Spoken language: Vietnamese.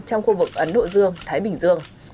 trong khu vực ấn độ dương thái bình dương